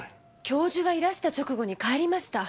教授がいらした直後に帰りました。